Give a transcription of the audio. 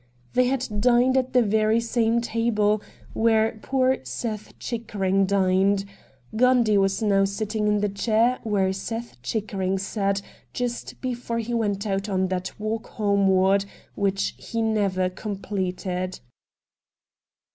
They had dined at the very same table where 222 RED DIAMONDS poor Seth Chickering dined — Gundy was now sitting in the chair where Seth Chickering sat just before he went out on that walk home ward which he never completed.